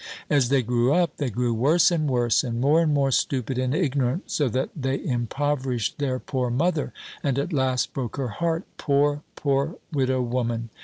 As they grew up, they grew worse and worse, and more and more stupid and ignorant; so that they impoverished their poor mother, and at last broke her heart, poor poor widow woman!